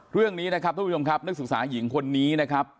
เรื่องนี้นะครับทุกผู้ชมครับนักศึกษาหญิงคนนี้นะครับ